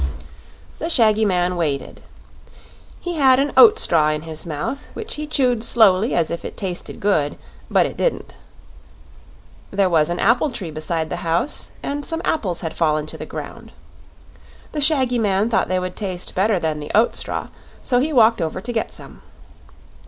The shaggy man waited. He had an oat straw in his mouth, which he chewed slowly as if it tasted good; but it didn't. There was an apple tree beside the house, and some apples had fallen to the ground. The shaggy man thought they would taste better than the oat straw, so he walked over to get some.